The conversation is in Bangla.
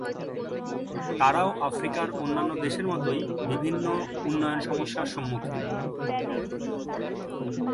তারাও আফ্রিকার অন্যান্য দেশের মতই বিভিন্ন উন্নয়ন সমস্যার সম্মুখিন।